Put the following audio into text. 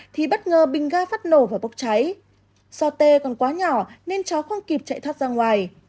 thì bất ngờ bình ga phát nổ và bốc cháy do tê còn quá nhỏ nên cháu không kịp chạy thoát ra ngoài